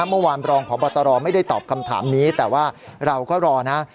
เมื่อวานรองพบตรไม่ได้ตอบคำถามนี้แต่ว่าเราก็รอนะ